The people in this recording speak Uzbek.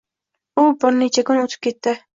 U bir necha kun o’tib ketdi.